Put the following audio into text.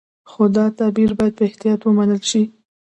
خو دا تعبیر باید په احتیاط ومنل شي.